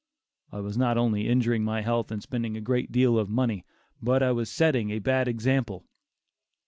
I was not only injuring my health and spending a great deal of money, but I was setting a bad example.